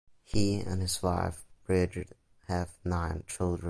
He and his wife Bridget have nine children.